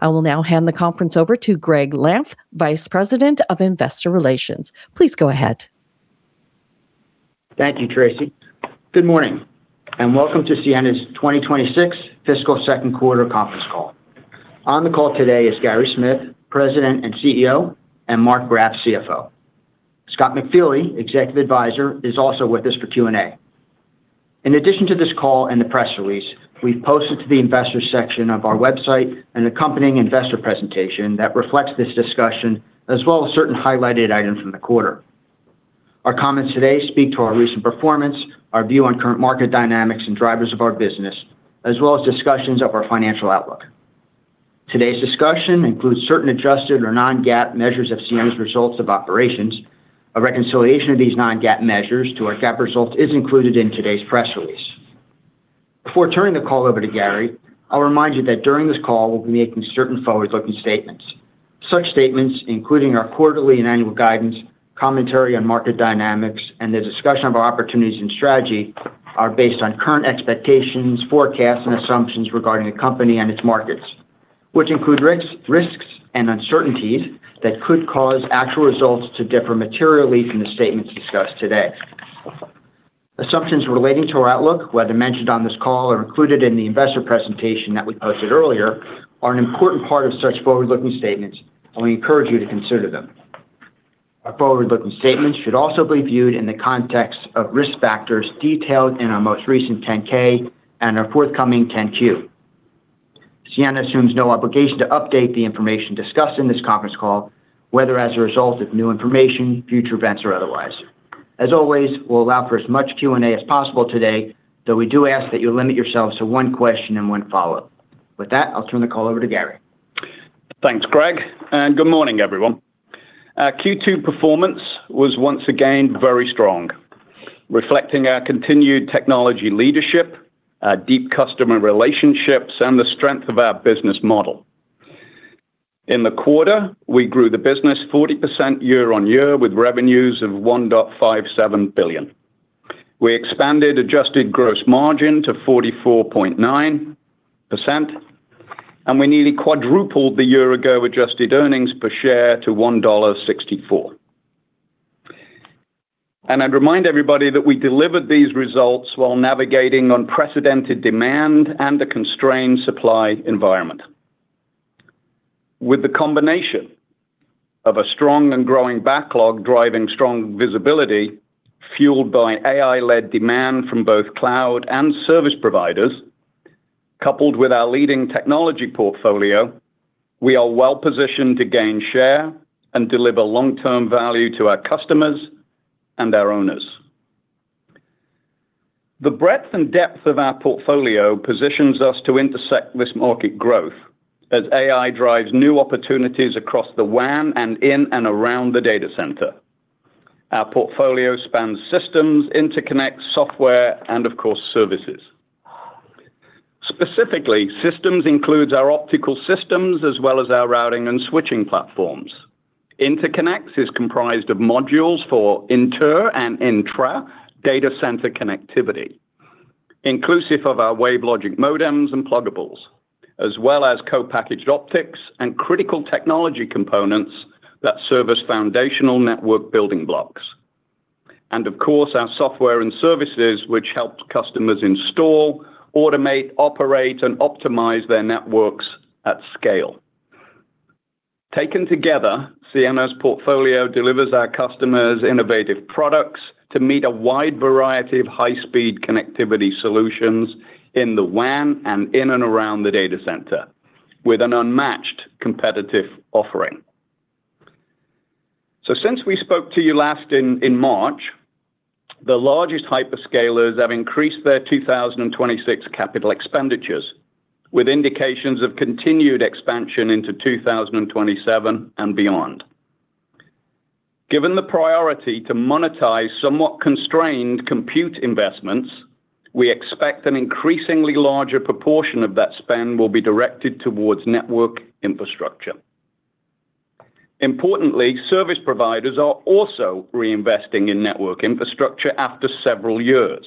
I will now hand the conference over to Gregg Lampf, Vice President of Investor Relations. Please go ahead. Thank you, Tracy. Good morning, and welcome to Ciena's 2026 fiscal second quarter conference call. On the call today is Gary Smith, President and CEO, and Marc Graff, CFO. Scott McFeely, Executive Advisor, is also with us for Q&A. In addition to this call and the press release, we've posted to the Investors section of our website an accompanying investor presentation that reflects this discussion, as well as certain highlighted items from the quarter. Our comments today speak to our recent performance, our view on current market dynamics and drivers of our business, as well as discussions of our financial outlook. Today's discussion includes certain adjusted or non-GAAP measures of Ciena's results of operations. A reconciliation of these non-GAAP measures to our GAAP results is included in today's press release. Before turning the call over to Gary, I'll remind you that during this call, we'll be making certain forward-looking statements. Such statements, including our quarterly and annual guidance, commentary on market dynamics, and the discussion of our opportunities and strategy are based on current expectations, forecasts, and assumptions regarding the company and its markets. Which include risks and uncertainties that could cause actual results to differ materially from the statements discussed today. Assumptions relating to our outlook, whether mentioned on this call or included in the investor presentation that we posted earlier, are an important part of such forward-looking statements, and we encourage you to consider them. Our forward-looking statements should also be viewed in the context of risk factors detailed in our most recent 10-K and our forthcoming 10-Q. Ciena assumes no obligation to update the information discussed in this conference call, whether as a result of new information, future events, or otherwise. As always, we'll allow for as much Q&A as possible today, though we do ask that you limit yourselves to one question and one follow-up. With that, I'll turn the call over to Gary. Thanks, Gregg, good morning, everyone. Our Q2 performance was, once again, very strong, reflecting our continued technology leadership, our deep customer relationships, and the strength of our business model. In the quarter, we grew the business 40% year-on-year with revenues of $1.57 billion. We expanded adjusted gross margin to 44.9%, we nearly quadrupled the year-ago adjusted earnings per share to $1.64. I'd remind everybody that we delivered these results while navigating unprecedented demand and a constrained supply environment. With the combination of a strong and growing backlog driving strong visibility, fueled by AI-led demand from both cloud and service providers, coupled with our leading technology portfolio, we are well-positioned to gain share and deliver long-term value to our customers and our owners. The breadth and depth of our portfolio positions us to intersect this market growth as AI drives new opportunities across the WAN and in and around the data center. Our portfolio spans systems, interconnects, software, and of course, services. Specifically, systems includes our optical systems as well as our Routing and Switching platforms. Interconnects is comprised of modules for inter and intra data center connectivity, inclusive of our WaveLogic modems and pluggables, as well as co-packaged optics and critical technology components that serve as foundational network building blocks. Of course, our software and services which help customers install, automate, operate, and optimize their networks at scale. Taken together, Ciena's portfolio delivers our customers innovative products to meet a wide variety of high-speed connectivity solutions in the WAN and in and around the data center with an unmatched competitive offering. Since we spoke to you last in March, the largest hyperscalers have increased their 2026 capital expenditures, with indications of continued expansion into 2027 and beyond. Given the priority to monetize somewhat constrained compute investments, we expect an increasingly larger proportion of that spend will be directed towards network infrastructure. Importantly, service providers are also reinvesting in network infrastructure after several years.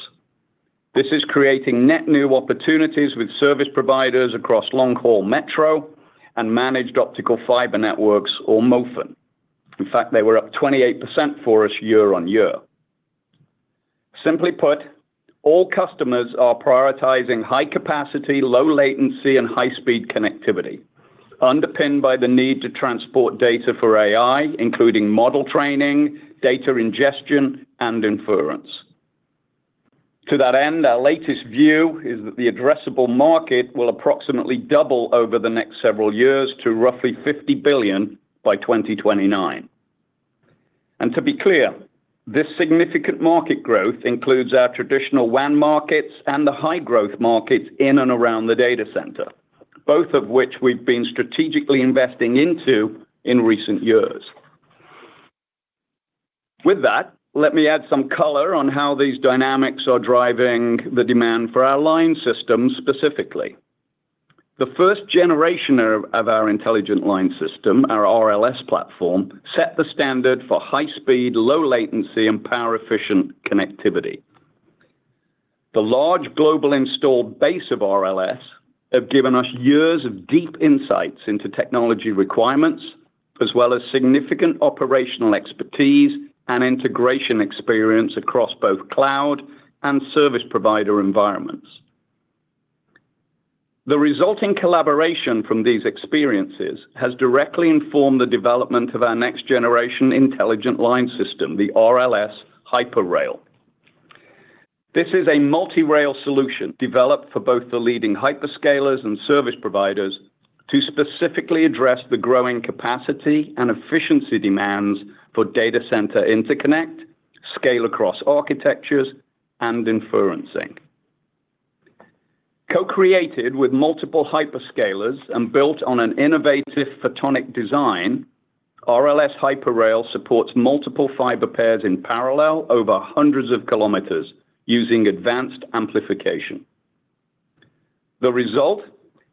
This is creating net new opportunities with service providers across long-haul metro and managed optical fiber networks or MOFN. In fact, they were up 28% for us year-on-year. Simply put, all customers are prioritizing high capacity, low latency, and high-speed connectivity, underpinned by the need to transport data for AI, including model training, data ingestion, and inference. To that end, our latest view is that the addressable market will approximately double over the next several years to roughly $50 billion by 2029. To be clear, this significant market growth includes our traditional WAN markets and the high growth markets in and around the data center, both of which we've been strategically investing into in recent years. With that, let me add some color on how these dynamics are driving the demand for our line systems specifically. The first generation of our intelligent line system, our RLS platform, set the standard for high speed, low latency, and power-efficient connectivity. The large global installed base of RLS have given us years of deep insights into technology requirements, as well as significant operational expertise and integration experience across both cloud and service provider environments. The resulting collaboration from these experiences has directly informed the development of our next generation intelligent line system, the RLS Hyper-Rail This is a multi-rail solution developed for both the leading hyperscalers and service providers to specifically address the growing capacity and efficiency demands for data center interconnect, scale across architectures, and inferencing. Co-created with multiple hyperscalers and built on an innovative photonic design, RLS Hyper-Rail supports multiple fiber pairs in parallel over hundreds of kilometers using advanced amplification. The result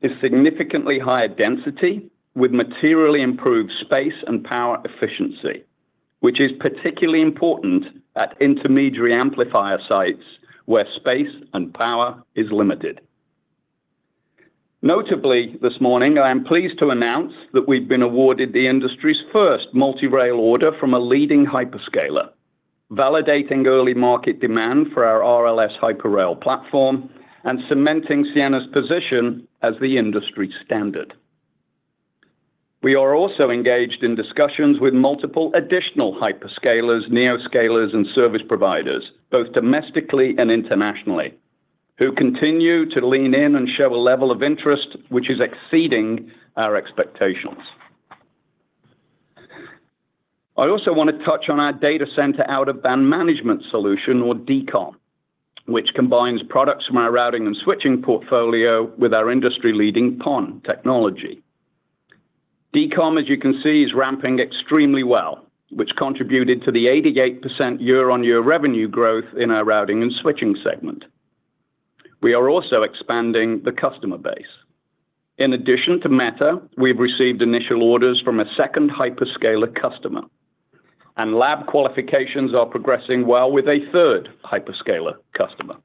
is significantly higher density with materially improved space and power efficiency, which is particularly important at intermediary amplifier sites where space and power is limited. Notably, this morning, I am pleased to announce that we've been awarded the industry's first multi-rail order from a leading hyperscaler, validating early market demand for our RLS Hyper-Rail platform and cementing Ciena's position as the industry standard. We are also engaged in discussions with multiple additional hyperscalers, neoscalers, and service providers, both domestically and internationally, who continue to lean in and show a level of interest which is exceeding our expectations. I also want to touch on our Data Center Out-of-Band Management solution or DCOM, which combines products from our Routing and Switching portfolio with our industry-leading PON technology. DCOM, as you can see, is ramping extremely well, which contributed to the 88% year-over-year revenue growth in our Routing and Switching segment. We are also expanding the customer base. In addition to Meta, we've received initial orders from a second hyperscaler customer, and lab qualifications are progressing well with a third hyperscaler customer.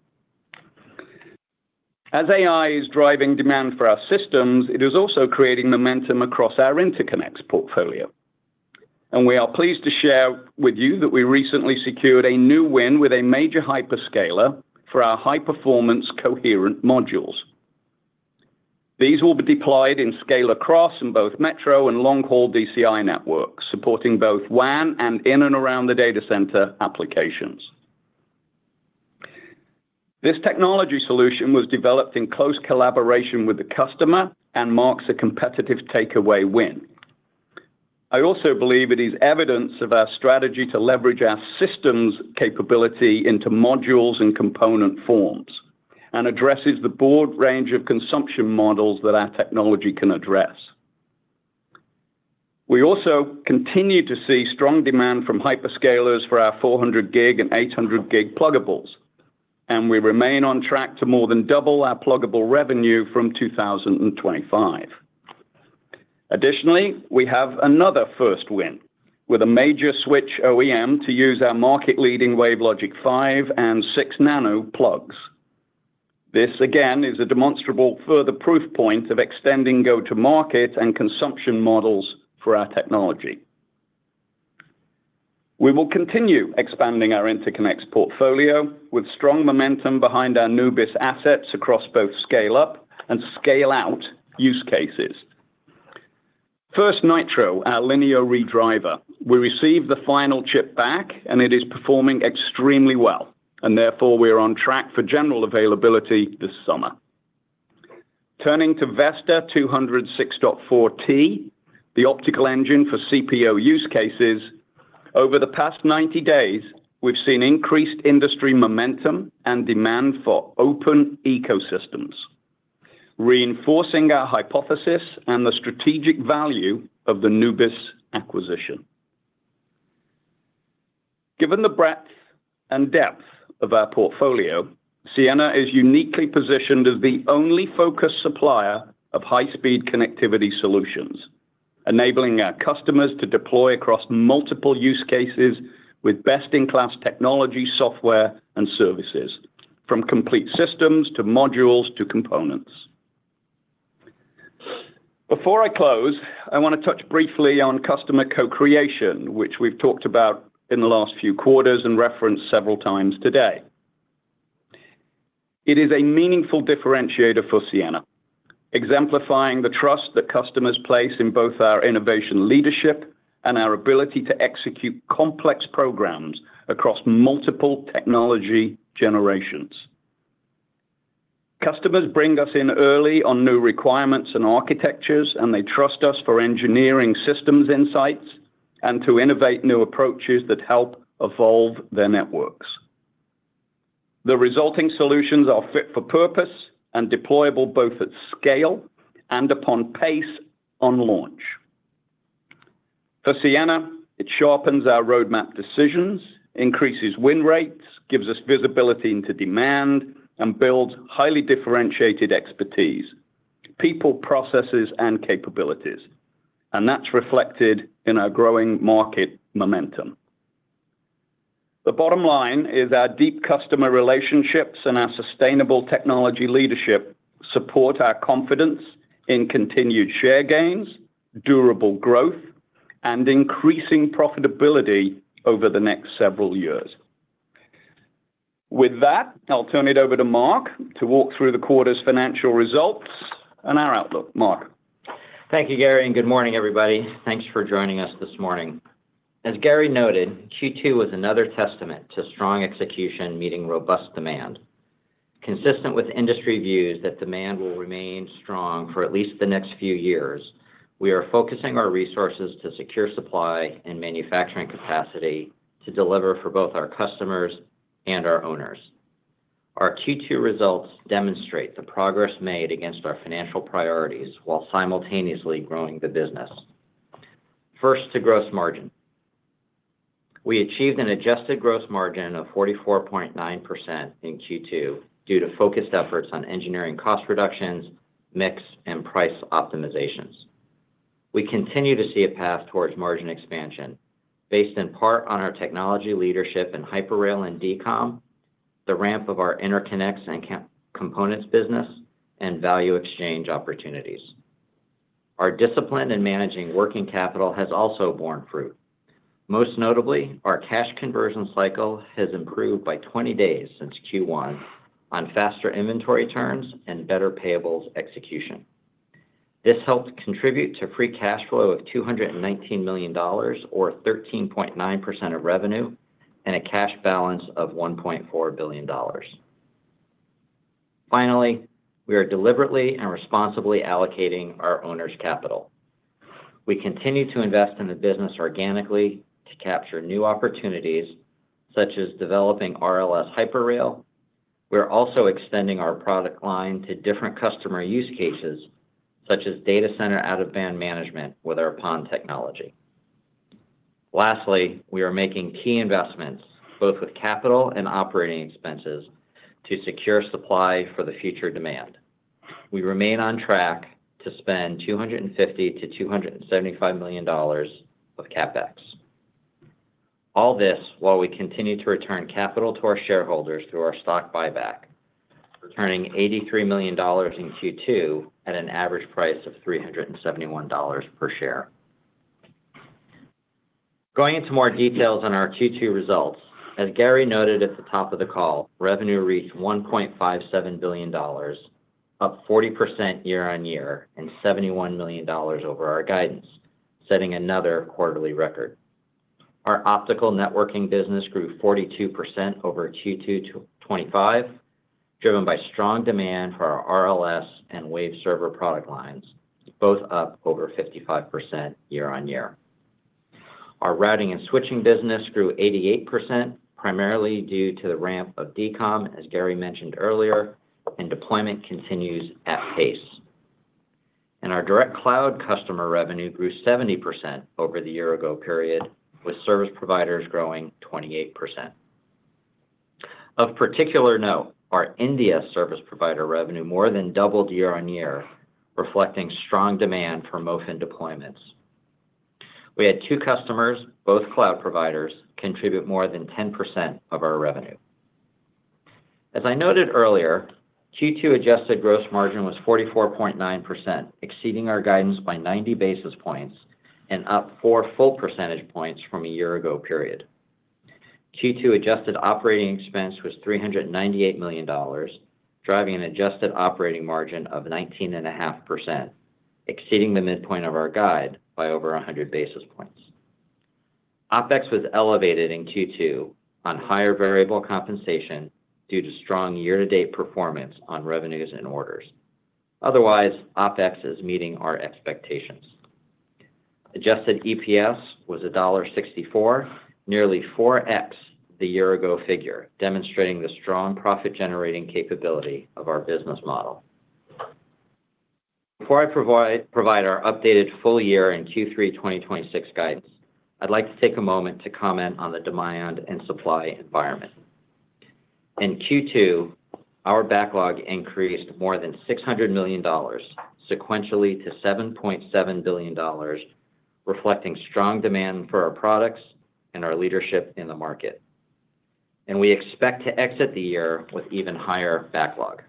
As AI is driving demand for our systems, it is also creating momentum across our interconnects portfolio. We are pleased to share with you that we recently secured a new win with a major hyperscaler for our high-performance coherent modules. These will be deployed in scale across in both metro and long-haul DCI networks, supporting both WAN and in and around the data center applications. This technology solution was developed in close collaboration with the customer and marks a competitive takeaway win. I also believe it is evidence of our strategy to leverage our systems capability into modules and component forms and addresses the broad range of consumption models that our technology can address. We also continue to see strong demand from hyperscalers for our 400G and 800G pluggables, and we remain on track to more than double our pluggable revenue from 2025. Additionally, we have another first win with a major switch OEM to use our market-leading WaveLogic 5 and 6 Nano plugs. This, again, is a demonstrable further proof point of extending go-to-market and consumption models for our technology. We will continue expanding our interconnects portfolio with strong momentum behind our Nubis assets across both scale-up and scale-out use cases. First Nitro, our linear redriver. We received the final chip back, and it is performing extremely well, and therefore, we are on track for general availability this summer. Turning to Vesta 200 6.4T, the optical engine for CPO use cases. Over the past 90 days, we've seen increased industry momentum and demand for open ecosystems, reinforcing our hypothesis and the strategic value of the Nubis acquisition. Given the breadth and depth of our portfolio, Ciena is uniquely positioned as the only focused supplier of high-speed connectivity solutions, enabling our customers to deploy across multiple use cases with best-in-class technology, software, and services, from complete systems to modules to components. Before I close, I want to touch briefly on customer co-creation, which we've talked about in the last few quarters and referenced several times today. It is a meaningful differentiator for Ciena, exemplifying the trust that customers place in both our innovation leadership and our ability to execute complex programs across multiple technology generations. Customers bring us in early on new requirements and architectures. They trust us for engineering systems insights and to innovate new approaches that help evolve their networks. The resulting solutions are fit for purpose and deployable both at scale and upon pace on launch. For Ciena, it sharpens our roadmap decisions, increases win rates, gives us visibility into demand, and builds highly differentiated expertise, people, processes, and capabilities. That's reflected in our growing market momentum. The bottom line is our deep customer relationships and our sustainable technology leadership support our confidence in continued share gains, durable growth, and increasing profitability over the next several years. With that, I'll turn it over to Marc to walk through the quarter's financial results and our outlook. Marc? Thank you, Gary, and good morning, everybody. Thanks for joining us this morning. As Gary noted, Q2 was another testament to strong execution meeting robust demand. Consistent with industry views that demand will remain strong for at least the next few years, we are focusing our resources to secure supply and manufacturing capacity to deliver for both our customers and our owners. Our Q2 results demonstrate the progress made against our financial priorities while simultaneously growing the business. First, to gross margin. We achieved an adjusted gross margin of 44.9% in Q2 due to focused efforts on engineering cost reductions, mix, and price optimizations. We continue to see a path towards margin expansion based in part on our technology leadership in Hyper-Rail and DCOM, the ramp of our interconnects and components business, and value exchange opportunities. Our discipline in managing working capital has also borne fruit. Most notably, our cash conversion cycle has improved by 20 days since Q1 on faster inventory turns and better payables execution. This helped contribute to free cash flow of $219 million, or 13.9% of revenue, and a cash balance of $1.4 billion. Finally, we are deliberately and responsibly allocating our owners' capital. We continue to invest in the business organically to capture new opportunities, such as developing RLS Hyper-Rail We're also extending our product line to different customer use cases, such as Data Center Out-of-Band Management with our PON technology. Lastly, we are making key investments, both with capital and operating expenses, to secure supply for the future demand. We remain on track to spend $250 million-$275 million with CapEx. All this while we continue to return capital to our shareholders through our stock buyback, returning $83 million in Q2 at an average price of $371 per share. Going into more details on our Q2 results, as Gary noted at the top of the call, revenue reached $1.57 billion, up 40% year-on-year and $71 million over our guidance, setting another quarterly record. Our optical networking business grew 42% over Q2 2025, driven by strong demand for our RLS and Waveserver product lines, both up over 55% year-on-year. Our Routing and Switching business grew 88%, primarily due to the ramp of DCOM, as Gary mentioned earlier, and deployment continues at pace. Our direct cloud customer revenue grew 70% over the year-ago period, with service providers growing 28%. Of particular note, our India service provider revenue more than doubled year-on-year, reflecting strong demand for MOFN deployments. We had two customers, both cloud providers, contribute more than 10% of our revenue. As I noted earlier, Q2 adjusted gross margin was 44.9%, exceeding our guidance by 90 basis points and up four full percentage points from a year-ago period. Q2 adjusted operating expense was $398 million, driving an adjusted operating margin of 19.5%, exceeding the midpoint of our guide by over 100 basis points. OpEx was elevated in Q2 on higher variable compensation due to strong year-to-date performance on revenues and orders. Otherwise, OpEx is meeting our expectations. Adjusted EPS was $1.64, nearly 4x the year-ago figure, demonstrating the strong profit-generating capability of our business model. Before I provide our updated full year and Q3 2026 guidance, I'd like to take a moment to comment on the demand and supply environment. In Q2, our backlog increased more than $600 million sequentially to $7.7 billion, reflecting strong demand for our products and our leadership in the market. We expect to exit the year with even higher backlog.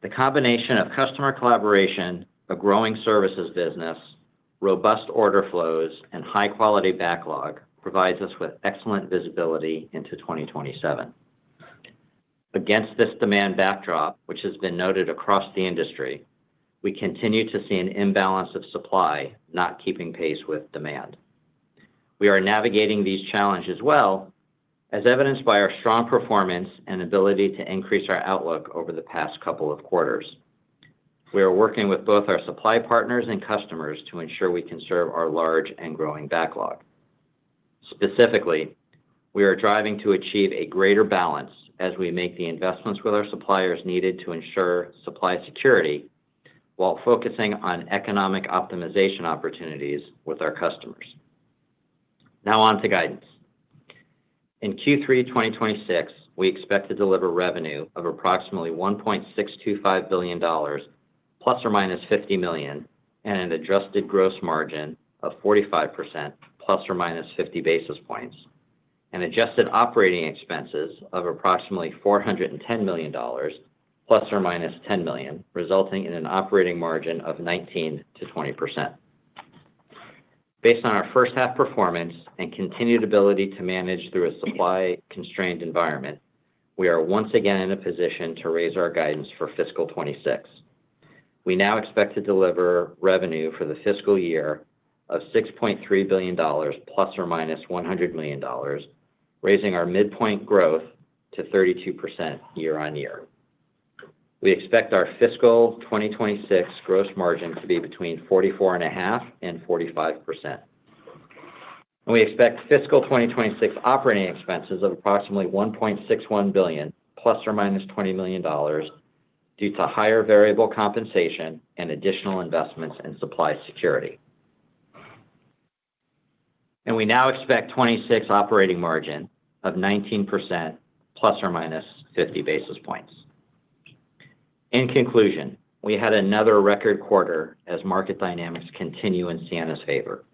The combination of customer collaboration, a growing services business, robust order flows, and high-quality backlog provides us with excellent visibility into 2027. Against this demand backdrop, which has been noted across the industry, we continue to see an imbalance of supply not keeping pace with demand. We are navigating these challenges well, as evidenced by our strong performance and ability to increase our outlook over the past couple of quarters. We are working with both our supply partners and customers to ensure we can serve our large and growing backlog. Specifically, we are driving to achieve a greater balance as we make the investments with our suppliers needed to ensure supply security while focusing on economic optimization opportunities with our customers. On to guidance. In Q3 2026, we expect to deliver revenue of approximately $1.625 billion, ±$50 million, and an adjusted gross margin of 45%, ±50 basis points, and adjusted operating expenses of approximately $410 million, ±$10 million, resulting in an operating margin of 19%-20%. Based on our first half performance and continued ability to manage through a supply-constrained environment, we are once again in a position to raise our guidance for fiscal 2026. We now expect to deliver revenue for the fiscal year of $6.3 billion, ±$100 million, raising our midpoint growth to 32% year-on-year. We expect our fiscal 2026 gross margin to be between 44.5% and 45%. We expect fiscal 2026 operating expenses of approximately $1.61 billion, ±$20 million, due to higher variable compensation and additional investments in supply security. We now expect 2026 operating margin of 19%, ±50 basis points. In conclusion, we had another record quarter as market dynamics continue in Ciena's favor.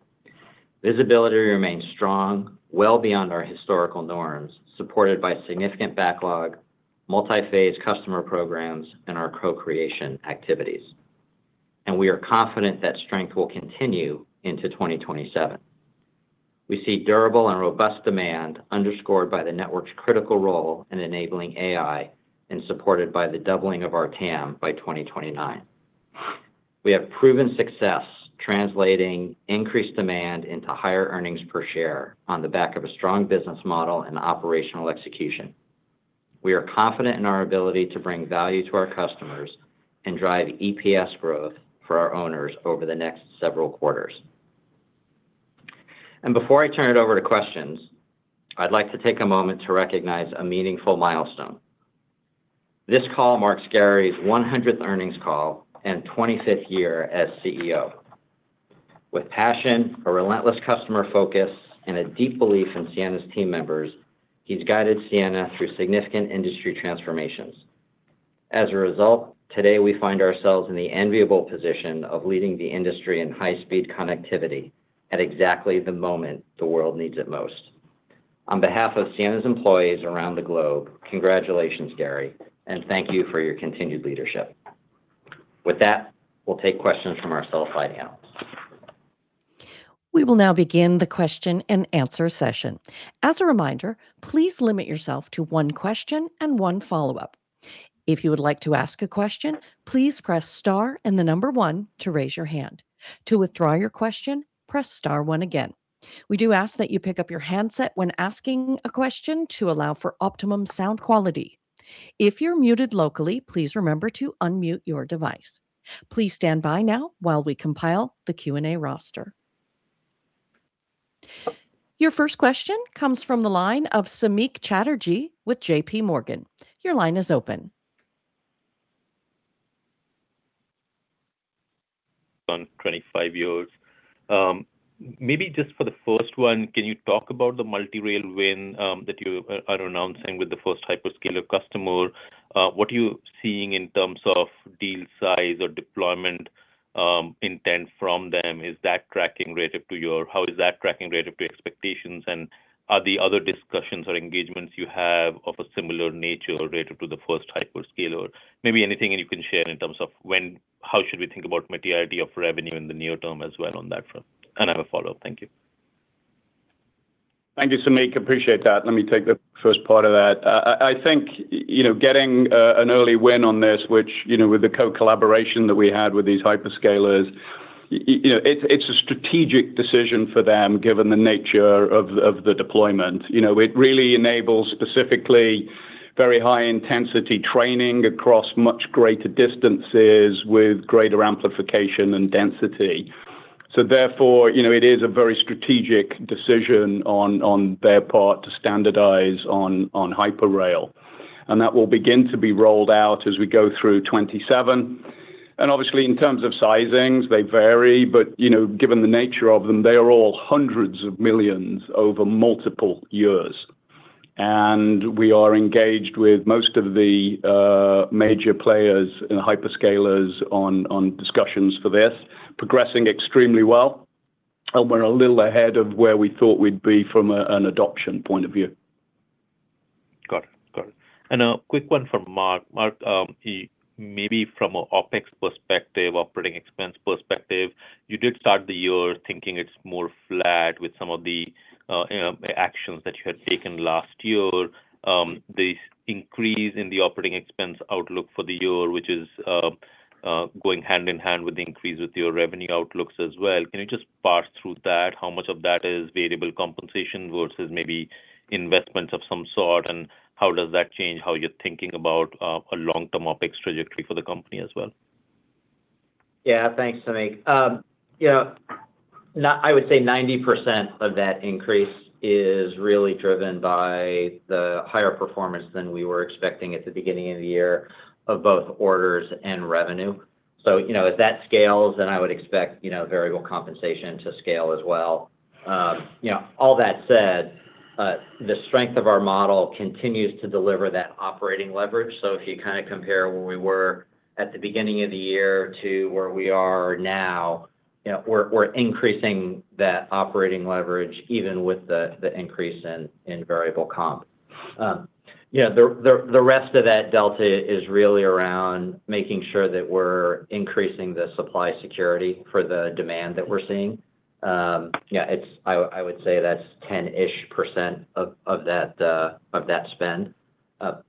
Visibility remains strong, well beyond our historical norms, supported by significant backlog, multi-phase customer programs, and our co-creation activities, and we are confident that strength will continue into 2027. We see durable and robust demand underscored by the network's critical role in enabling AI and supported by the doubling of our TAM by 2029. We have proven success translating increased demand into higher earnings per share on the back of a strong business model and operational execution. We are confident in our ability to bring value to our customers and drive EPS growth for our owners over the next several quarters. Before I turn it over to questions, I'd like to take a moment to recognize a meaningful milestone. This call marks Gary's 100th earnings call and 25th year as CEO. With passion, a relentless customer focus, and a deep belief in Ciena's team members, he's guided Ciena through significant industry transformations. As a result, today we find ourselves in the enviable position of leading the industry in high-speed connectivity at exactly the moment the world needs it most. On behalf of Ciena's employees around the globe, congratulations, Gary, and thank you for your continued leadership. With that, we'll take questions from our sell-side analysts. We will now begin the question-and-answer session. As a reminder, please limit yourself to one question and one follow-up. If you would like to ask a question, please press star and the number one to raise your hand. To withdraw your question, press star one again. We do ask that you pick up your handset when asking a question to allow for optimum sound quality. If you're muted locally, please remember to unmute your device. Please stand by now while we compile the Q&A roster. Your first question comes from the line of Samik Chatterjee with J.P. Morgan. Your line is open. On 25 years. Maybe just for the first one, can you talk about the multi-rail win that you are announcing with the first hyperscaler customer? What are you seeing in terms of deal size or deployment intent from them? How is that tracking relative to expectations, and are there other discussions or engagements you have of a similar nature relative to the first hyperscaler? Maybe anything you can share in terms of how should we think about materiality of revenue in the near term as well on that front? I have a follow-up. Thank you. Thank you, Samik. Appreciate that. Let me take the first part of that. I think getting an early win on this, which with the co-collaboration that we had with these hyperscalers, it's a strategic decision for them given the nature of the deployment. It really enables specifically very high-intensity training across much greater distances with greater amplification and density. Therefore, it is a very strategic decision on their part to standardize on Hyper-Rail, and that will begin to be rolled out as we go through 2027. Obviously, in terms of sizings, they vary, but given the nature of them, they are all hundreds of millions over multiple years. We are engaged with most of the major players and hyperscalers on discussions for this. Progressing extremely well, and we're a little ahead of where we thought we'd be from an adoption point of view. Got it. A quick one for Marc. Marc, maybe from an OpEx perspective, operating expense perspective, you did start the year thinking it's more flat with some of the actions that you had taken last year. The increase in the operating expense outlook for the year, which is going hand in hand with the increase with your revenue outlooks as well. Can you just parse through that? How much of that is variable compensation versus maybe investments of some sort, and how does that change how you're thinking about a long-term OpEx trajectory for the company as well? Thanks, Samik. I would say 90% of that increase is really driven by the higher performance than we were expecting at the beginning of the year of both orders and revenue. If that scales, then I would expect variable compensation to scale as well. All that said, the strength of our model continues to deliver that operating leverage. If you compare where we were at the beginning of the year to where we are now, we're increasing that operating leverage even with the increase in variable comp. The rest of that delta is really around making sure that we're increasing the supply security for the demand that we're seeing. I would say that's 10%-ish of that spend.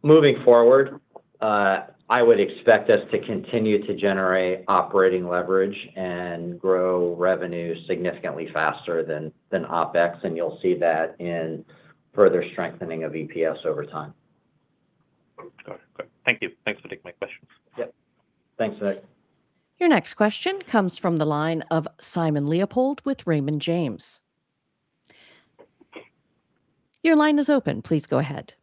Moving forward, I would expect us to continue to generate operating leverage and grow revenue significantly faster than OpEx, and you'll see that in further strengthening of EPS over time. Okay. Great. Thank you. Thanks for taking my questions. Yep. Thanks, Samik. Your next question comes from the line of Simon Leopold with Raymond James. Your line is open. Please go ahead.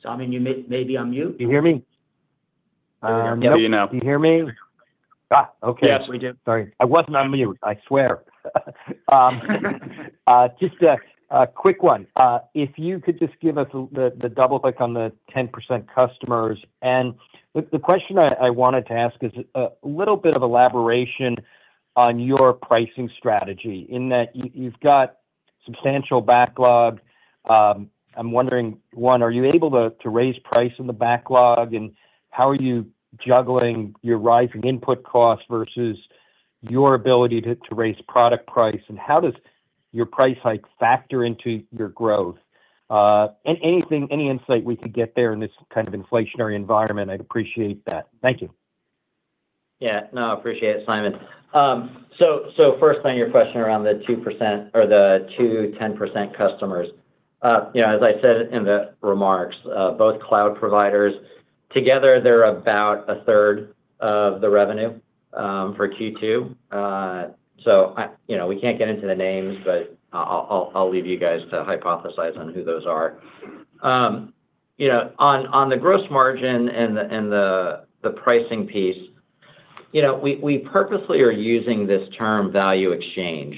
Simon, you may be on mute. You hear me? We can hear you now. Can you hear me? Okay. Yes, we do. Sorry. I wasn't on mute. I swear. Just a quick one. If you could just give us the double-click on the 10% customers, the question I wanted to ask is a little bit of elaboration on your pricing strategy in that you've got substantial backlog. I'm wondering, one, are you able to raise price in the backlog, how are you juggling your rising input costs versus your ability to raise product price, how does your price hike factor into your growth? Anything, any insight we could get there in this kind of inflationary environment, I'd appreciate that. Thank you. Yeah. No, I appreciate it, Simon. Firstly, on your question around the 2% or the two 10% customers. As I said in the remarks, both cloud providers, together, they're about a third of the revenue for Q2. We can't get into the names, but I'll leave you guys to hypothesize on who those are. On the gross margin and the pricing piece, we purposely are using this term value exchange,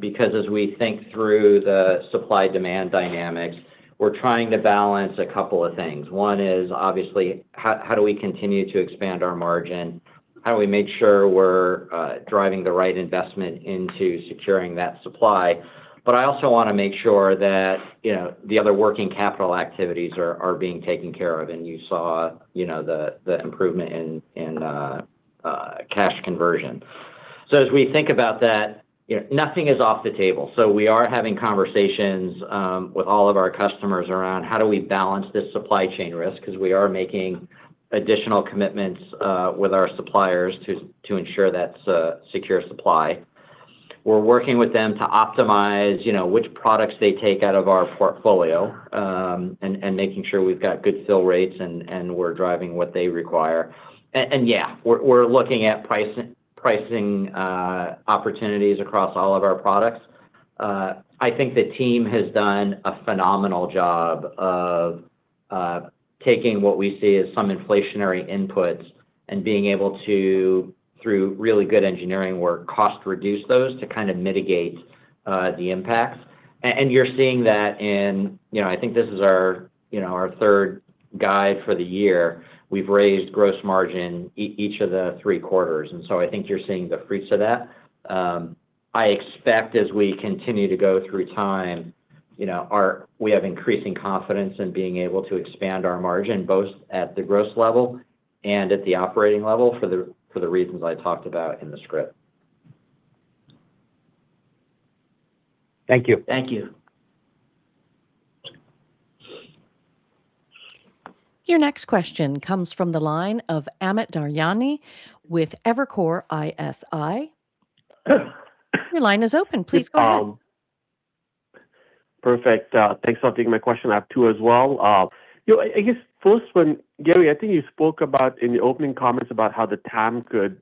because as we think through the supply-demand dynamics, we're trying to balance a couple of things. One is obviously how do we continue to expand our margin? How do we make sure we're driving the right investment into securing that supply? I also want to make sure that the other working capital activities are being taken care of, and you saw the improvement in cash conversion. As we think about that, nothing is off the table. We are having conversations with all of our customers around how do we balance this supply chain risk, because we are making additional commitments with our suppliers to ensure that's a secure supply. We're working with them to optimize which products they take out of our portfolio, and making sure we've got good fill rates, and we're driving what they require. Yeah, we're looking at pricing opportunities across all of our products. I think the team has done a phenomenal job of taking what we see as some inflationary inputs and being able to, through really good engineering work, cost reduce those to mitigate the impacts. You're seeing that in, I think this is our third guide for the year. We've raised gross margin each of the three quarters, I think you're seeing the fruits of that. I expect as we continue to go through time, we have increasing confidence in being able to expand our margin, both at the gross level and at the operating level for the reasons I talked about in the script. Thank you. Thank you. Your next question comes from the line of Amit Daryanani with Evercore ISI. Your line is open. Please go ahead. Perfect. Thanks for taking my question. I have two as well. I guess first one, Gary, I think you spoke about in the opening comments about how the TAM could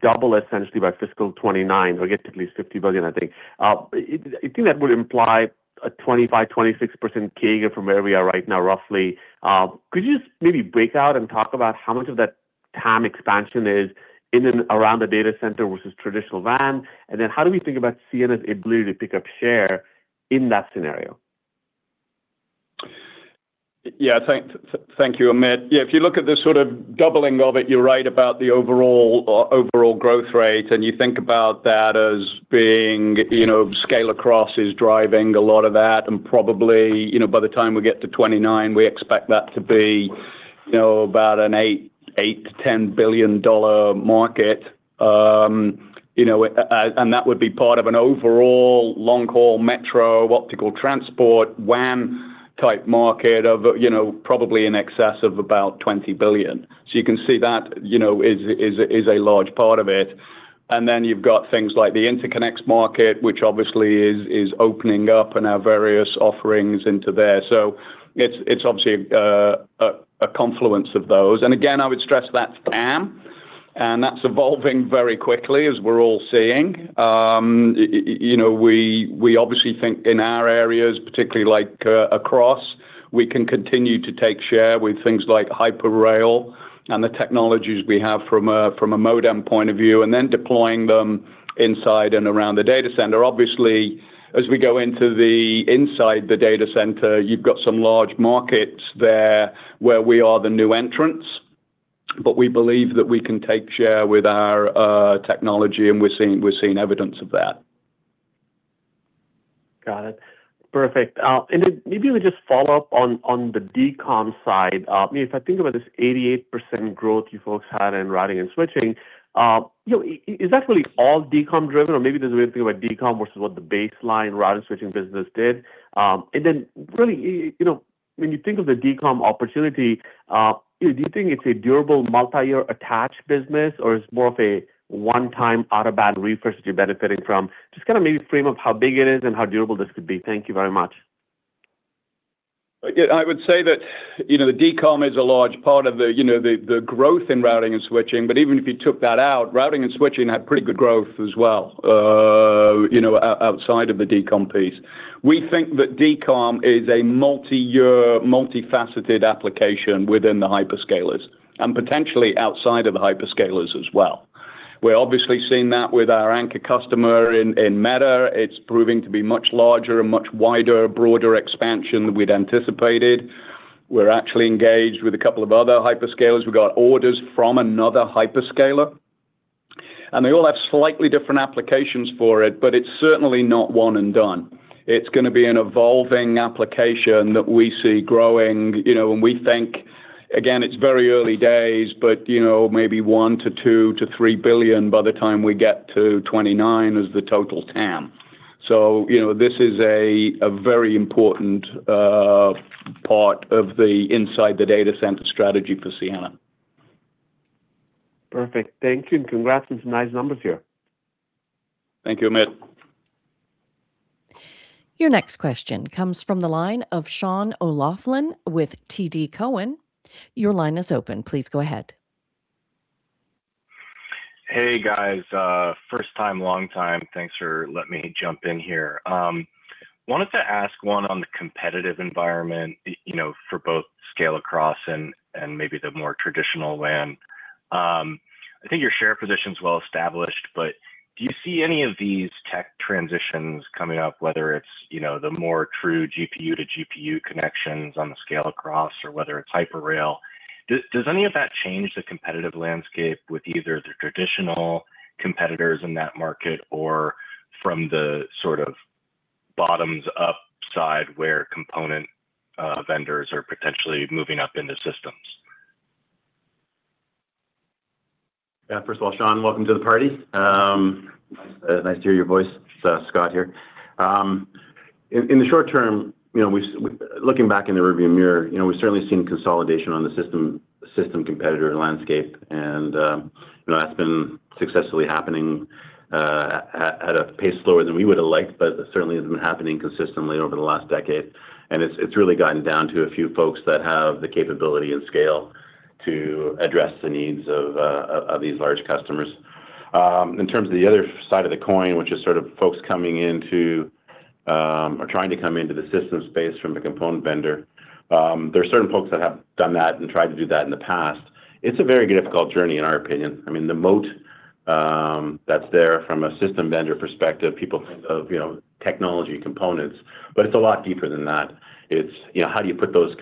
double essentially by fiscal 2029, or get to at least $50 billion, I think. I think that would imply a 25%-26% CAGR from where we are right now, roughly. Could you just maybe break out and talk about how much of that TAM expansion is in and around the data center versus traditional WAN, and then how do we think about Ciena's ability to pick up share in that scenario? Yeah. Thank you, Amit. If you look at the sort of doubling of it, you're right about the overall growth rate, and you think about that as being scale across is driving a lot of that. Probably by the time we get to 2029, we expect that to be about an $8 billion-$10 billion market. That would be part of an overall long-haul metro, optical transport, WAN type market of probably in excess of about $20 billion. You can see that is a large part of it. You've got things like the interconnects market, which obviously is opening up and our various offerings into there. It's obviously a confluence of those, and again, I would stress that's TAM. That's evolving very quickly, as we're all seeing. We obviously think in our areas, particularly like across, we can continue to take share with things like Hyper-Rail and the technologies we have from a modem point of view, and then deploying them inside and around the data center. As we go into inside the data center, you've got some large markets there where we are the new entrants. We believe that we can take share with our technology, and we're seeing evidence of that. Got it. Perfect. Maybe we just follow up on the DCOM side. If I think about this 88% growth you folks had in Routing Switching, is that really all DCOM driven, or maybe there's a way to think about DCOM versus what the baseline Routing Switching business did? Really, when you think of the DCOM opportunity, do you think it's a durable multi-year attached business or it's more of a one-time out-of-band refresh that you're benefiting from? Just kind of maybe frame up how big it is and how durable this could be. Thank you very much. Again, I would say that DCOM is a large part of the growth in Routing and Switching, but even if you took that out, Routing and Switching had pretty good growth as well outside of the DCOM piece. We think that DCOM is a multi-year, multifaceted application within the hyperscalers and potentially outside of the hyperscalers as well. We're obviously seeing that with our anchor customer in Meta. It's proving to be much larger and much wider, broader expansion than we'd anticipated. We're actually engaged with a couple of other hyperscalers. We got orders from another hyperscaler. They all have slightly different applications for it, but it's certainly not one and done. It's going to be an evolving application that we see growing. We think, again, it's very early days, but maybe $1 billion-$3 billion by the time we get to 2029 is the total TAM. This is a very important part of the inside the data center strategy for Ciena. Perfect. Thank you, and congrats on some nice numbers here. Thank you, Amit. Your next question comes from the line of Sean O'Loughlin with TD Cowen. Your line is open. Please go ahead. Hey, guys. First time, long time. Thanks for letting me jump in here. Wanted to ask one on the competitive environment for both scale across and maybe the more traditional WAN. I think your share position's well established, do you see any of these tech transitions coming up, whether it's the more true GPU to GPU connections on the scale across or whether it's Hyper-Rail? Does any of that change the competitive landscape with either the traditional competitors in that market or from the sort of bottoms-up side where component vendors are potentially moving up into systems? First of all, Sean, welcome to the party. Nice to hear your voice. It's Scott here. In the short term, looking back in the rearview mirror, we've certainly seen consolidation on the system competitor landscape. That's been successfully happening at a pace slower than we would've liked, but certainly has been happening consistently over the last decade. It's really gotten down to a few folks that have the capability and scale to address the needs of these large customers. In terms of the other side of the coin, which is sort of folks coming into or trying to come into the system space from the component vendor, there are certain folks that have done that and tried to do that in the past. It's a very difficult journey, in our opinion. I mean, the moat that's there from a system vendor perspective, people think of technology components, but it's a lot deeper than that. It's how do you put those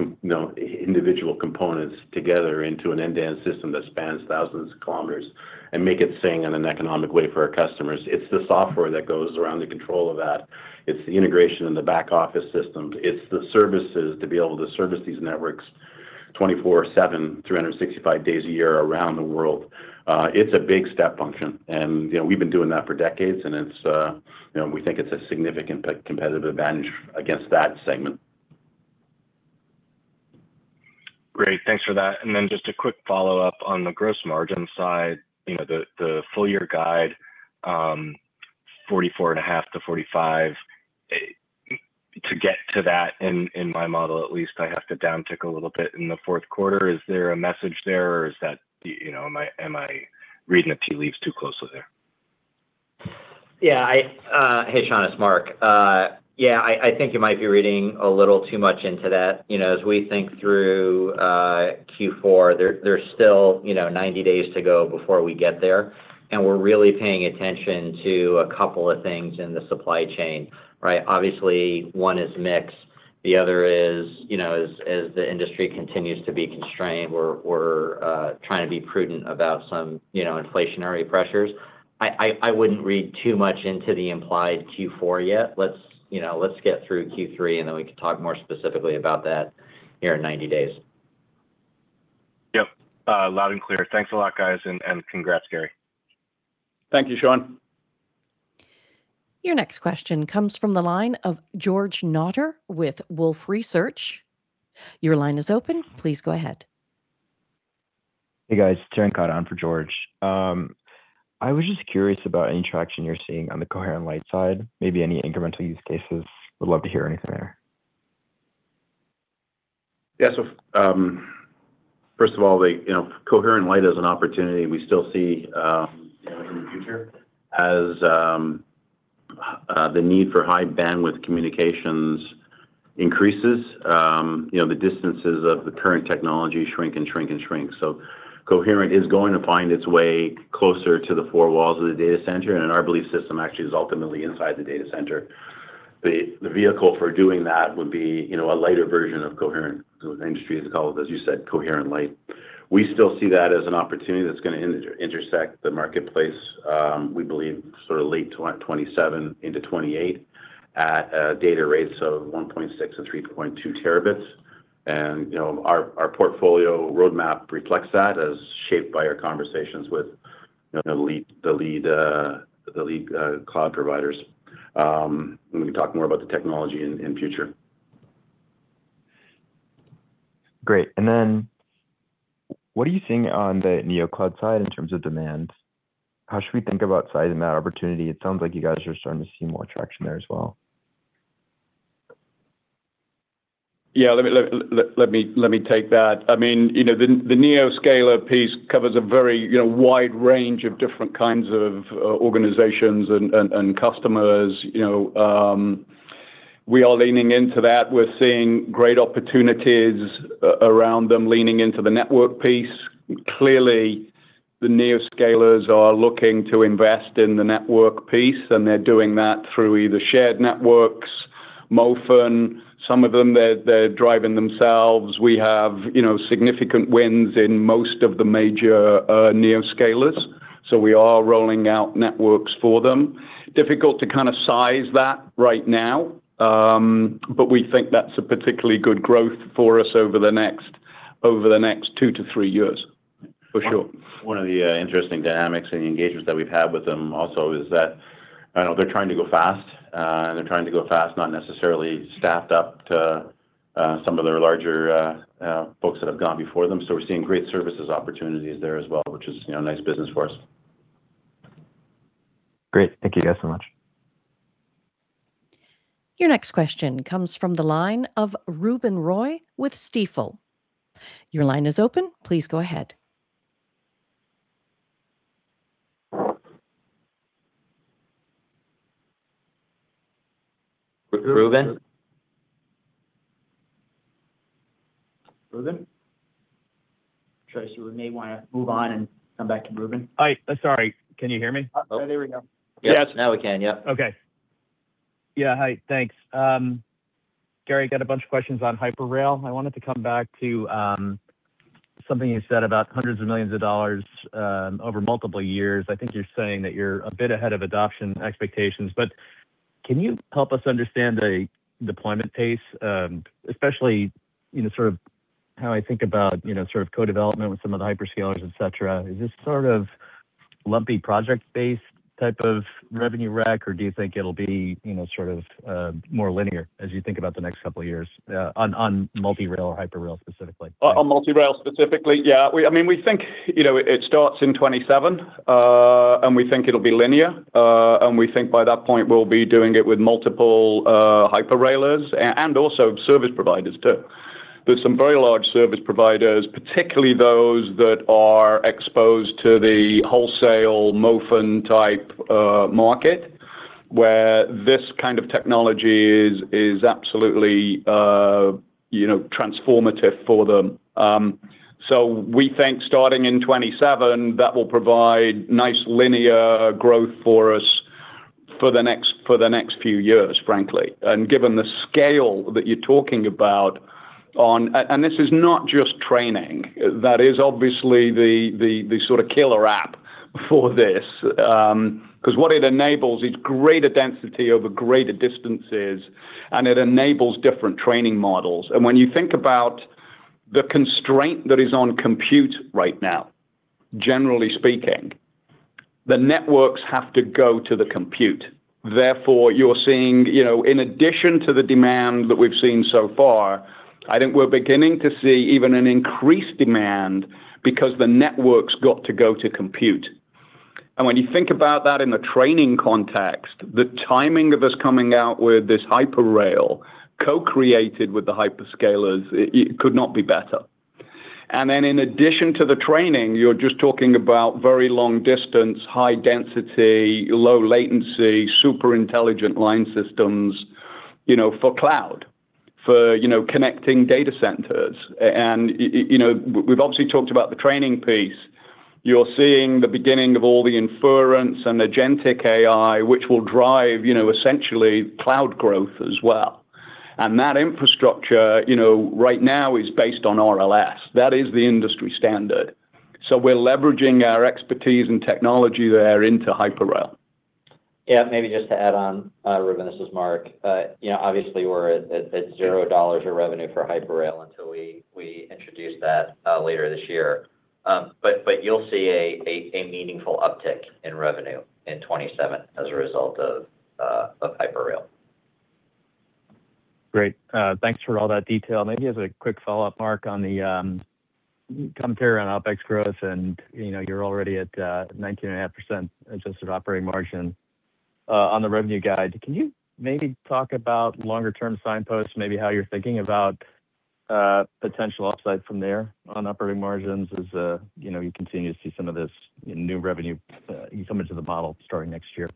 individual components together into an end-to-end system that spans thousands of kilometers and make it sing in an economic way for our customers. It's the software that goes around the control of that. It's the integration in the back office systems. It's the services to be able to service these networks 24/7, 365 days a year around the world. It's a big step function, and we've been doing that for decades, and we think it's a significant competitive advantage against that segment. Great. Thanks for that. Then just a quick follow-up on the gross margin side. The full year guide, 44.5-45. To get to that, in my model at least, I have to downtick a little bit in the fourth quarter. Is there a message there, or am I reading a tea leaves too closely there? Yeah. Hey, Sean, it's Marc. Yeah, I think you might be reading a little too much into that. As we think through Q4, there's still 90 days to go before we get there, and we're really paying attention to a couple of things in the supply chain, right? Obviously, one is mix. The other is as the industry continues to be constrained, we're trying to be prudent about some inflationary pressures. I wouldn't read too much into the implied Q4 yet. Let's get through Q3, and then we can talk more specifically about that here in 90 days. Yep. Loud and clear. Thanks a lot, guys, and congrats, Gary. Thank you, Sean. Your next question comes from the line of George Notter with Wolfe Research. Your line is open. Please go ahead. Hey, guys. It's [Chirankat] on for George. I was just curious about any traction you're seeing on the coherent lite side, maybe any incremental use cases. Would love to hear anything there. First of all, coherent lite is an opportunity we still see in the future as the need for high bandwidth communications increases, the distances of the current technology shrink and shrink and shrink. Coherent is going to find its way closer to the four walls of the data center, and in our belief system, actually, is ultimately inside the data center. The vehicle for doing that would be a lighter version of coherent. The industry has called it, as you said, coherent lite. We still see that as an opportunity that's going to intersect the marketplace, we believe late 2027 into 2028 at data rates of 1.6 Tb-3.2 Tb. Our portfolio roadmap reflects that as shaped by our conversations with the lead cloud providers. We can talk more about the technology in future. Great. What are you seeing on the neo cloud side in terms of demand? How should we think about sizing that opportunity? It sounds like you guys are starting to see more traction there as well. Yeah. Let me take that. I mean, the neoscaler piece covers a very wide range of different kinds of organizations and customers. We are leaning into that. We're seeing great opportunities around them leaning into the network piece. Clearly, the neoscalers are looking to invest in the network piece, and they're doing that through either shared networks, MOFN, some of them, they're driving themselves. We have significant wins in most of the major neoscalers, so we are rolling out networks for them. Difficult to size that right now, but we think that's a particularly good growth for us over the next two to three years, for sure. One of the interesting dynamics and engagements that we've had with them also is that they're trying to go fast, and they're trying to go fast, not necessarily staffed up to some of their larger folks that have gone before them. We're seeing great services opportunities there as well, which is nice business for us. Great. Thank you guys so much. Your next question comes from the line of Ruben Roy with Stifel. Your line is open. Please go ahead. Ruben? Ruben? Tracy, we may want to move on and come back to Ruben. Hi. Sorry. Can you hear me? Oh, there we go. Yes. Now we can. Yep. Okay. Yeah. Hi, thanks, Gary. I've got a bunch of questions on Hyper-Rail. I wanted to come back to something you said about hundreds of millions of dollars over multiple years. I think you're saying that you're a bit ahead of adoption expectations, but can you help us understand the deployment pace, especially, sort of how I think about sort of co-development with some of the hyperscalers, et cetera? Is this sort of lumpy project-based type of revenue track, or do you think it'll be sort of more linear as you think about the next couple of years on multi-rail or Hyper-Rail specifically? On multi-rail specifically, yeah. We think it starts in 2027. We think it'll be linear. We think by that point, we'll be doing it with multiple Hyper-Railers and also service providers, too. There's some very large service providers, particularly those that are exposed to the wholesale MOFN type market, where this kind of technology is absolutely transformative for them. We think starting in 2027, that will provide nice linear growth for us for the next few years, frankly. Given the scale that you're talking about. This is not just training. That is obviously the sort of killer app for this. What it enables is greater density over greater distances. It enables different training models. When you think about the constraint that is on compute right now, generally speaking, the networks have to go to the compute. You're seeing, in addition to the demand that we've seen so far, I think we're beginning to see even an increased demand because the network's got to go to compute. When you think about that in the training context, the timing of us coming out with this Hyper-Rail co-created with the hyperscalers, it could not be better. In addition to the training, you're just talking about very long distance, high density, low latency, super intelligent line systems for cloud, for connecting data centers. We've obviously talked about the training piece. You're seeing the beginning of all the inference and agentic AI, which will drive essentially cloud growth as well. That infrastructure right now is based on RLS. That is the industry standard. We're leveraging our expertise and technology there into Hyper-Rail. Yeah. Maybe just to add on, Ruben, this is Marc. Obviously, we're at $0 of revenue for Hyper-Rail until we introduce that later this year. You'll see a meaningful uptick in revenue in 2027 as a result of Hyper-Rail. Great. Thanks for all that detail. Maybe as a quick follow-up, Marc, on the commentary on OpEx growth, you're already at 19.5% adjusted operating margin. On the revenue guide, can you maybe talk about longer-term signposts, maybe how you're thinking about potential upside from there on operating margins as you continue to see some of this new revenue coming to the model starting next year?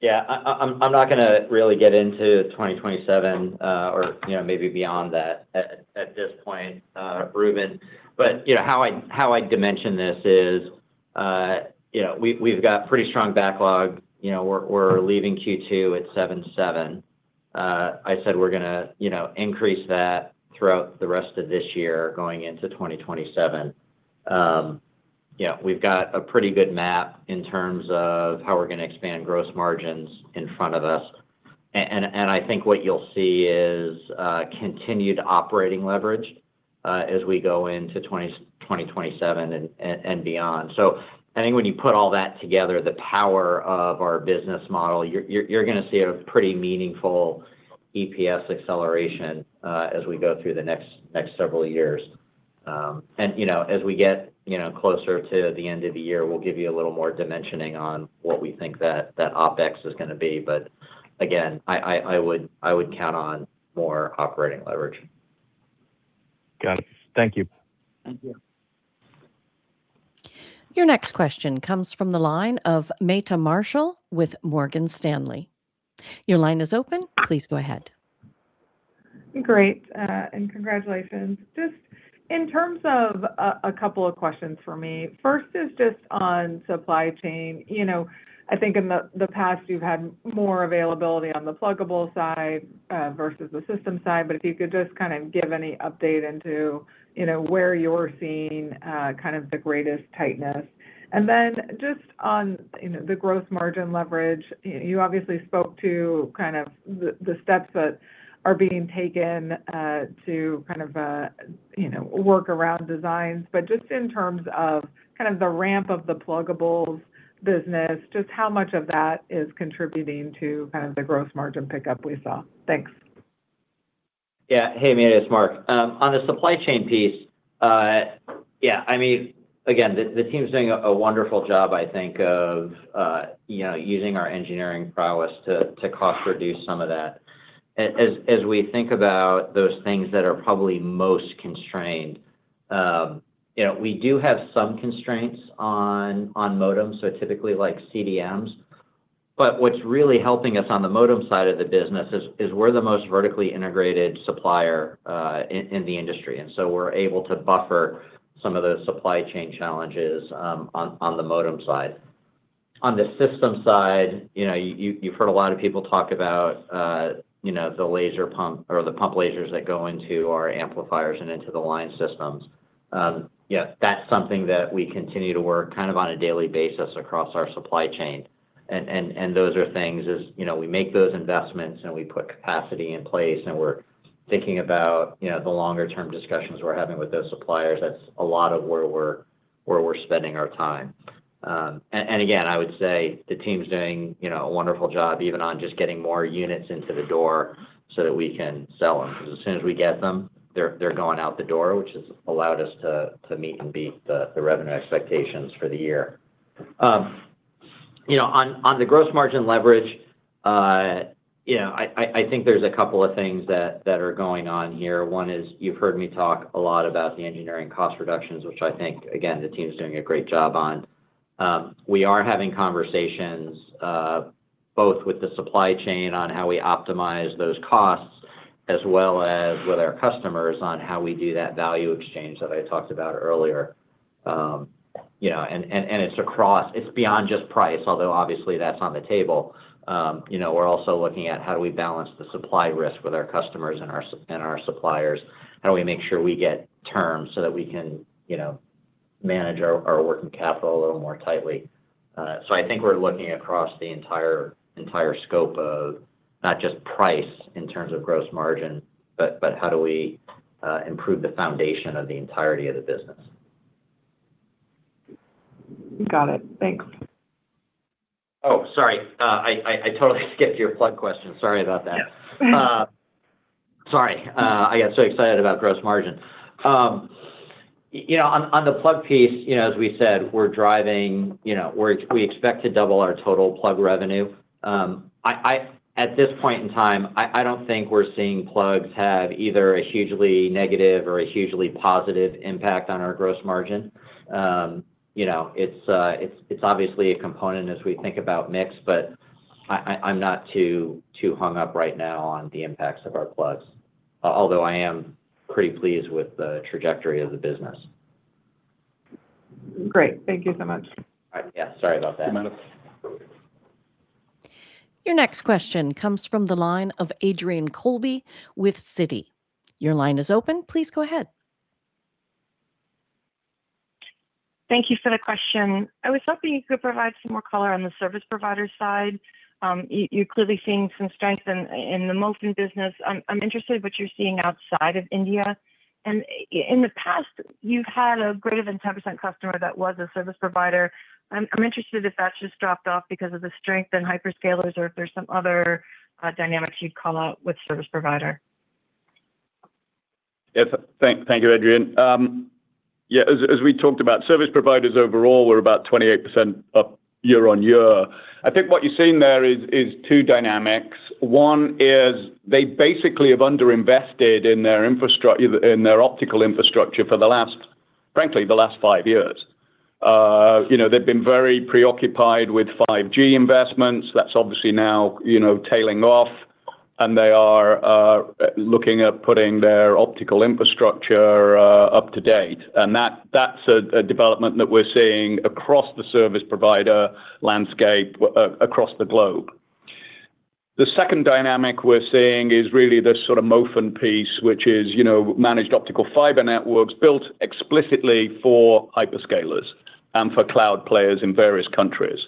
Yeah. I'm not going to really get into 2027, or maybe beyond that at this point, Ruben. How I dimension this is, we've got pretty strong backlog. We're leaving Q2 at 7.7. I said we're going to increase that throughout the rest of this year going into 2027. We've got a pretty good map in terms of how we're going to expand gross margins in front of us. I think what you'll see is continued operating leverage as we go into 2027 and beyond. I think when you put all that together, the power of our business model, you're going to see a pretty meaningful EPS acceleration as we go through the next several years. As we get closer to the end of the year, we'll give you a little more dimensioning on what we think that OpEx is going to be. Again, I would count on more operating leverage. Got it. Thank you. Thank you. Your next question comes from the line of Meta Marshall with Morgan Stanley. Your line is open. Please go ahead. Great, congratulations. Just in terms of a couple of questions for me. First is just on supply chain. I think in the past you've had more availability on the pluggable side versus the system side, but if you could just give any update into where you're seeing the greatest tightness. Then just on the gross margin leverage, you obviously spoke to the steps that are being taken to work around designs, but just in terms of the ramp of the pluggables business, just how much of that is contributing to the gross margin pickup we saw? Thanks. Hey, Meta, it's Marc. On the supply chain piece, again, the team's doing a wonderful job, I think, of using our engineering prowess to cost reduce some of that. As we think about those things that are probably most constrained, we do have some constraints on modems, so typically like CDMs. What's really helping us on the modem side of the business is we're the most vertically integrated supplier in the industry, and so we're able to buffer some of those supply chain challenges on the modem side. On the system side, you've heard a lot of people talk about the pump lasers that go into our amplifiers and into the line systems. That's something that we continue to work on a daily basis across our supply chain. Those are things as we make those investments and we put capacity in place and we're thinking about the longer term discussions we're having with those suppliers, that's a lot of where we're spending our time. Again, I would say the team's doing a wonderful job even on just getting more units into the door so that we can sell them. As soon as we get them, they're going out the door, which has allowed us to meet and beat the revenue expectations for the year. On the gross margin leverage, I think there's a couple of things that are going on here. One is you've heard me talk a lot about the engineering cost reductions, which I think, again, the team's doing a great job on. We are having conversations, both with the supply chain on how we optimize those costs, as well as with our customers on how we do that value exchange that I talked about earlier. It's beyond just price, although obviously that's on the table. We're also looking at how do we balance the supply risk with our customers and our suppliers. How do we make sure we get terms so that we can manage our working capital a little more tightly? I think we're looking across the entire scope of not just price in terms of gross margin, but how do we improve the foundation of the entirety of the business. Got it. Thanks. Sorry. I totally skipped your plug question. Sorry about that. Yes. Sorry. I got so excited about gross margin. On the plug piece, as we said, we expect to double our total plug revenue. At this point in time, I don't think we're seeing plugs have either a hugely negative or a hugely positive impact on our gross margin. It's obviously a component as we think about mix, but I'm not too hung up right now on the impacts of our plugs. Although I am pretty pleased with the trajectory of the business. Great. Thank you so much. Yeah. Sorry about that. Your next question comes from the line of Adrienne Colby with Citi. Your line is open. Please go ahead. Thank you for the question. I was hoping you could provide some more color on the service provider side. You're clearly seeing some strength in the MOFN business. I'm interested what you're seeing outside of India. In the past, you've had a greater than 10% customer that was a service provider. I'm interested if that's just dropped off because of the strength in hyperscalers or if there's some other dynamics you'd call out with service provider. Yes. Thank you, Adrienne. As we talked about, service providers overall were about 28% up year-on-year. I think what you're seeing there is two dynamics. One is they basically have underinvested in their optical infrastructure for, frankly, the last five years. They've been very preoccupied with 5G investments. That's obviously now tailing off. They are looking at putting their optical infrastructure up to date. That's a development that we're seeing across the service provider landscape across the globe. The second dynamic we're seeing is really the sort of MOFN piece, which is managed optical fiber networks built explicitly for hyperscalers and for cloud players in various countries.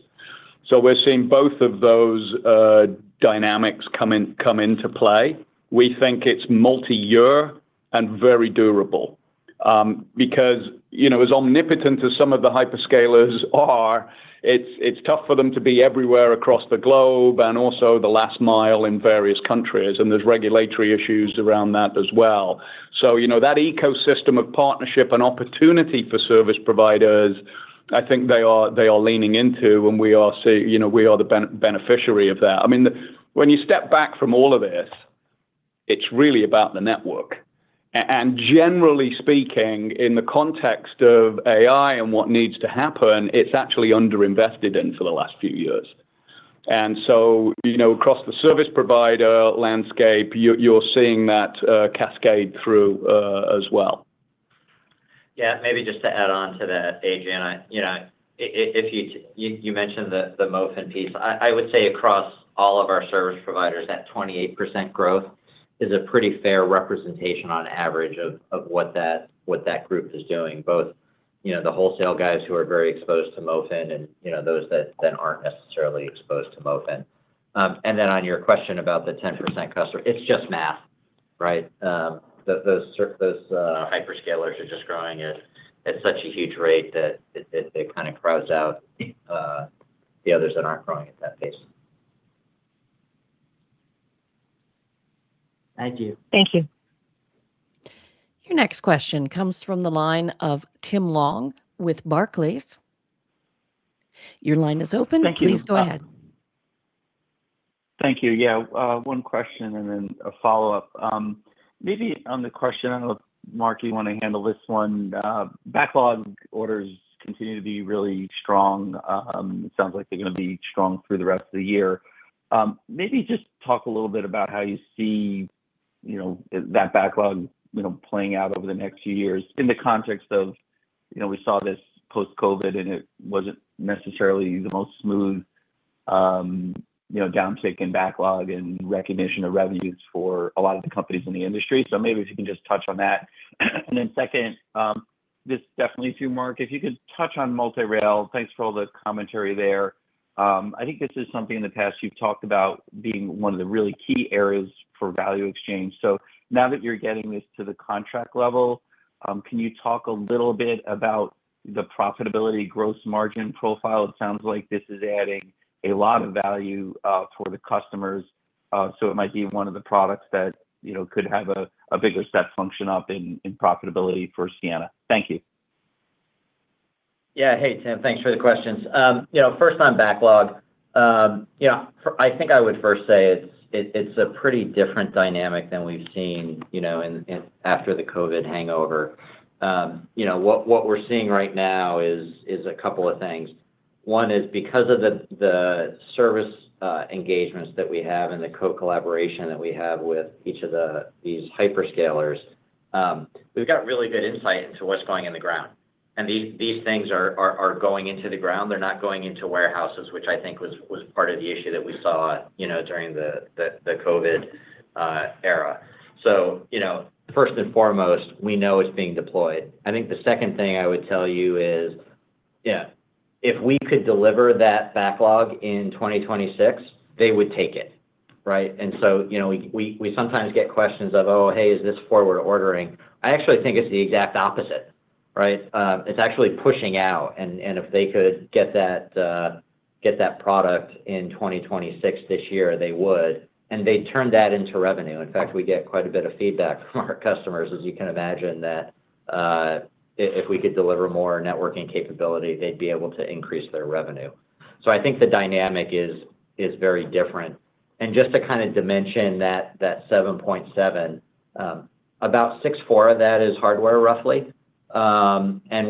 We're seeing both of those dynamics come into play. We think it's multi-year and very durable. As omnipotent as some of the hyperscalers are, it's tough for them to be everywhere across the globe and also the last mile in various countries, and there's regulatory issues around that as well. That ecosystem of partnership and opportunity for service providers, I think they are leaning into, and we are the beneficiary of that. When you step back from all of this, it's really about the network. Generally speaking, in the context of AI and what needs to happen, it's actually under-invested in for the last few years. Across the service provider landscape, you're seeing that cascade through as well. Yeah. Maybe just to add on to that, Adrienne. You mentioned the MOFN piece. I would say across all of our service providers, that 28% growth is a pretty fair representation on average of what that group is doing, both the wholesale guys who are very exposed to MOFN and those that aren't necessarily exposed to MOFN. On your question about the 10% customer, it's just math, right? Those hyperscalers are just growing at such a huge rate that it kind of crowds out the others that aren't growing at that pace. Thank you. Thank you. Your next question comes from the line of Tim Long with Barclays. Your line is open. Thank you. Please go ahead. Thank you. Yeah. One question and a follow-up. Maybe on the question, I don't know, Marc, you want to handle this one. Backlog orders continue to be really strong. It sounds like they're going to be strong through the rest of the year. Maybe just talk a little bit about how you see that backlog playing out over the next few years in the context of, we saw this post-COVID, and it wasn't necessarily the most smooth downtick in backlog and recognition of revenues for a lot of the companies in the industry. Maybe if you can just touch on that. Second, this is definitely to Marc, if you could touch on multi-rail. Thanks for all the commentary there. I think this is something in the past you've talked about being one of the really key areas for value exchange. Now that you're getting this to the contract level, can you talk a little bit about the profitability gross margin profile? It sounds like this is adding a lot of value for the customers, so it might be one of the products that could have a bigger step function up in profitability for Ciena. Thank you. Yeah. Hey, Tim. Thanks for the questions. First on backlog. I think I would first say it's a pretty different dynamic than we've seen after the COVID hangover. What we're seeing right now is a couple of things. One is because of the service engagements that we have and the co-collaboration that we have with each of these hyperscalers, we've got really good insight into what's going in the ground. These things are going into the ground. They're not going into warehouses, which I think was part of the issue that we saw during the COVID era. First and foremost, we know it's being deployed. I think the second thing I would tell you is if we could deliver that backlog in 2026, they would take it. Right? We sometimes get questions of, "Oh, hey, is this forward ordering?" I actually think it's the exact opposite, right? It's actually pushing out, and if they could get that product in 2026, this year, they would, and they'd turn that into revenue. In fact, we get quite a bit of feedback from our customers, as you can imagine, that if we could deliver more networking capability, they'd be able to increase their revenue. I think the dynamic is very different. Just to kind of dimension that $7.7, about $6.4 of that is hardware, roughly.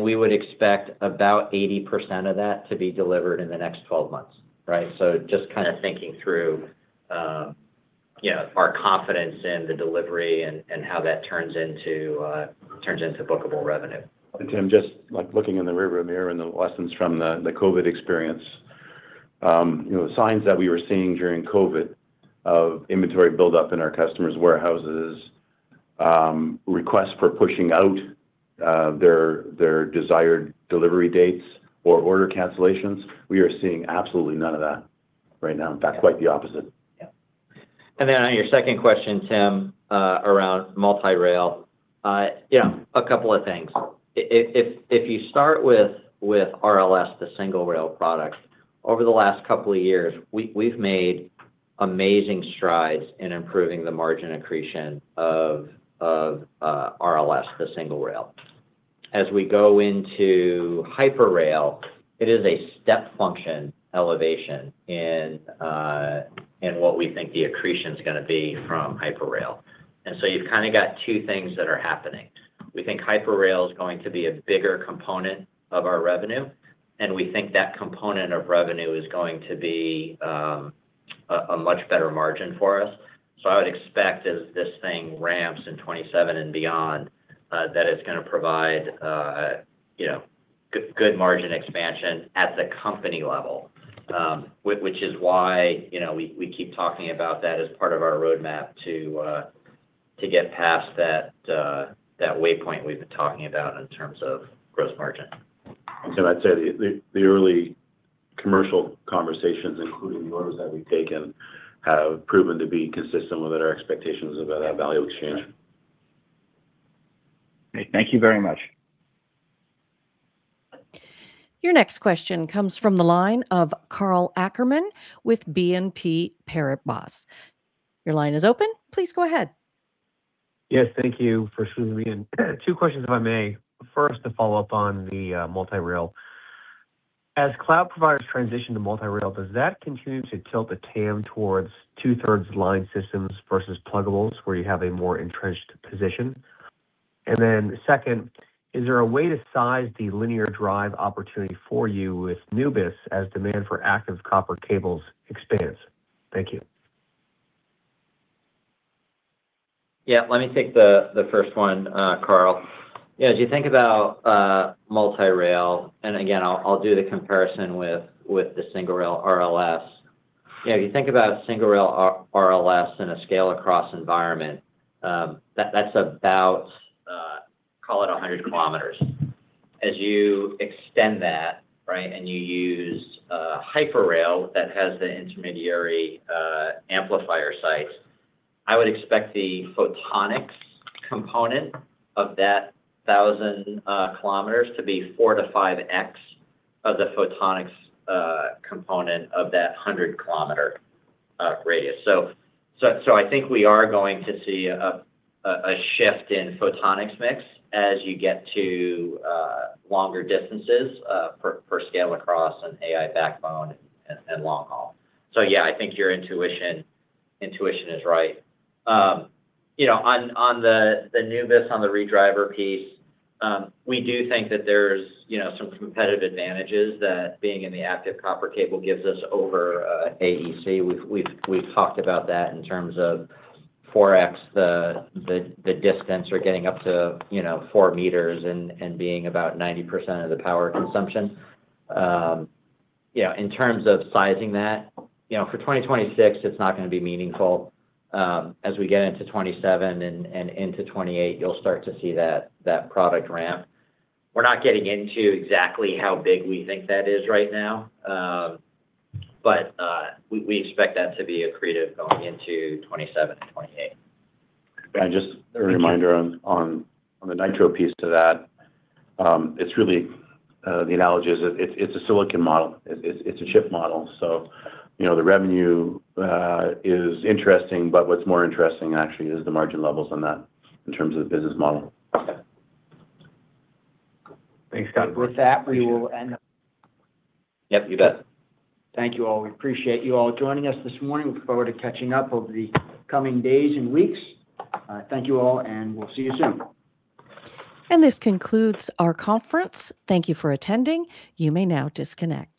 We would expect about 80% of that to be delivered in the next 12 months. Right? Just to kind of thinking through our confidence in the delivery and how that turns into bookable revenue. Tim, just looking in the rear-view mirror and the lessons from the COVID experience, signs that we were seeing during COVID of inventory buildup in our customers' warehouses, requests for pushing out their desired delivery dates or order cancellations, we are seeing absolutely none of that right now. In fact, quite the opposite. On your second question, Tim, around multi-rail. A couple of things. If you start with RLS, the single rail product, over the last couple of years, we've made amazing strides in improving the margin accretion of RLS, the single rail. As we go into Hyper-Rail, it is a step function elevation in what we think the accretion's going to be from Hyper-Rail. You've got two things that are happening. We think Hyper-Rail is going to be a bigger component of our revenue, and we think that component of revenue is going to be a much better margin for us. I would expect as this thing ramps in 2027 and beyond, that it's going to provide good margin expansion at the company level. Which is why we keep talking about that as part of our roadmap to get past that waypoint we've been talking about in terms of gross margin. I'd say the early commercial conversations, including the orders that we've taken, have proven to be consistent with our expectations about that value exchange. Right. Okay. Thank you very much. Your next question comes from the line of Karl Ackerman with BNP Paribas. Your line is open. Please go ahead. Yes, thank you for including me. Two questions, if I may. First, to follow up on the multi-rail. As cloud providers transition to multi-rail, does that continue to tilt the TAM towards two-thirds line systems versus pluggables where you have a more entrenched position? Second, is there a way to size the linear drive opportunity for you with Nubis as demand for active copper cables expands? Thank you. Yeah, let me take the first one, Karl. As you think about multi-rail, and again, I'll do the comparison with the single rail RLS. If you think about single rail RLS in a scale across environment, that's about, call it a hundred kilometers. As you extend that, and you use a Hyper-Rail that has the intermediary amplifier sites, I would expect the photonics component of that 1,000 km to be 4x-5x of the photonics component of that 100 km radius. I think we are going to see a shift in photonics mix as you get to longer distances for scale across an AI backbone and long haul. Yeah, I think your intuition is right. On the Nubis, on the redriver piece, we do think that there's some competitive advantages that being in the active copper cable gives us over AEC. We've talked about that in terms of 4x, the distance or getting up to 4 m and being about 90% of the power consumption. In terms of sizing that, for 2026, it's not going to be meaningful. As we get into 2027 and into 2028, you'll start to see that product ramp. We're not getting into exactly how big we think that is right now. We expect that to be accretive going into 2027 and 2028. Just a reminder on the Nitro piece to that. The analogy is it's a silicon model. It's a chip model. The revenue is interesting, but what's more interesting actually is the margin levels on that in terms of the business model. Okay. Thanks, guys. With that, we will end. Yep, you bet. Thank you all. We appreciate you all joining us this morning. Look forward to catching up over the coming days and weeks. Thank you all, and we'll see you soon. This concludes our conference. Thank you for attending. You may now disconnect.